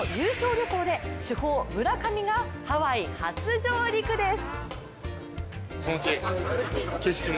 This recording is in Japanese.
旅行で主砲・村上がハワイ初上陸です。